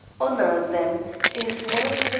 Honour, then, is one of the .